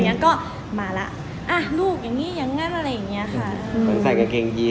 เขาก็มาแล้วลูกอย่างนี้อย่างงั้นอะไรแบบเนี้ย